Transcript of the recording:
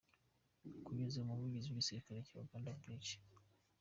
Kugeza ubu, Umuvugizi w’igisirikare cya Uganda, Brig.